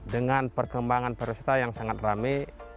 dengan perkembangan pariwisata yang sangat rame